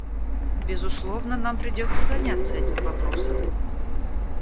Безусловно, нам придется заняться этим вопросом.